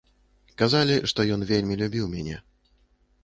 Казалі, што ён вельмі любіў мяне.